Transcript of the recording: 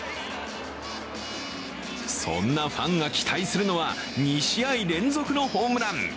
そんなファンが期待するのは２試合連続のホームラン。